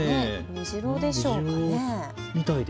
メジロでしょうか。